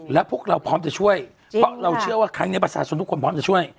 แล้วพวกเราพร้อมจะช่วยเพราะเราเชื่อว่าครั้งนี้ประชาชนทุกคนพร้อมจะช่วย